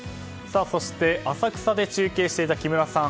浅草で中継していた木村さん